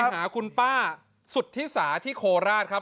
หาคุณป้าสุธิสาที่โคราชครับ